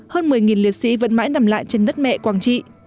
hơn một mươi liệt sĩ vẫn mãi nằm lại trên đất mẹ quảng trị